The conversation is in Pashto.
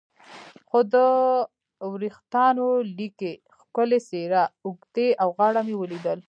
خو د وریښتانو لیکې، ښکلې څېره، اوږې او غاړه مې ولیدل.